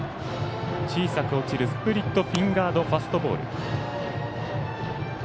小さく落ちるスプリットフィンガードファストボール。